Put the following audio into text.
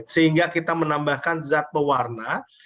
sehingga kita menambahkan zat pewarna